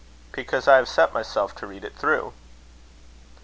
"Because I have set myself to read it through."